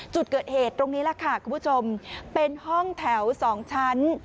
จุดเกิดเหตุตรงนี้แหละค่ะคุณผู้ชมเป็นห้องแถว๒ชั้น